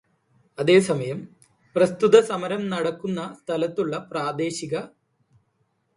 അതേസമയം, പ്രസ്തുത സമരം നടക്കുന്ന സ്ഥലത്തുള്ള പ്രാദേശിക